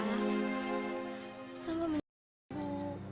nisa mau mencuri bu